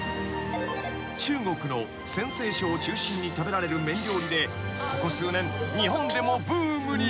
［中国の陝西省を中心に食べられる麺料理でここ数年日本でもブームに］